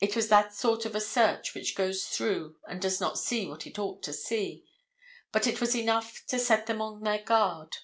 It was that sort of a search which goes through and does not see what it ought to see. But it was enough to set them on their guard.